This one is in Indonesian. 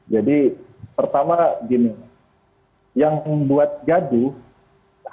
jadi pertama gini yang membuat gaduh hari ini tuh bukan